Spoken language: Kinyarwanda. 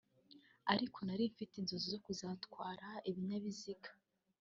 ariko nari mfite inzozi zo kuzatwara ibinyabiziga